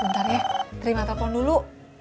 ntar ya terima telepon dulu